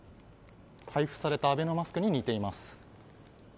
配布されたアベノマスクに似ています。